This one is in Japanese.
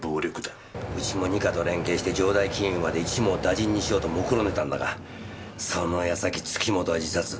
うちも二課と連携して城代金融まで一網打尽にしようともくろんでたんだがその矢先月本は自殺。